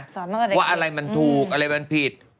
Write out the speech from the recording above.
สอนมาก่อนเด็กว่าอะไรมันถูกอะไรมันผิด